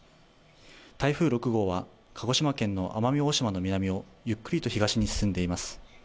台風６号は鹿児島県の南をゆっくりと東に進んでいます。